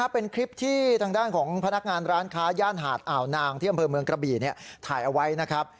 เป็นคลิปที่ทางด้านของพนักงานร้านค้าย่านหาดอ่าวนางที่อำเภอเมืองกระบี่ถ่ายเอาไว้นะครับ